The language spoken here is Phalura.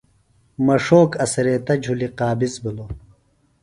مڇھوک اڅھریتہ جُھلی قابض بِھلوۡ